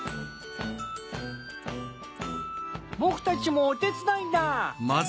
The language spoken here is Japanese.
僕たちもお手伝いだ！